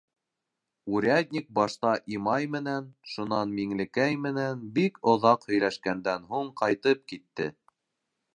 Урядник башта Имай менән, шунан Миңлекәй менән бик оҙаҡ һөйләшкәндән һуң ҡайтып китте.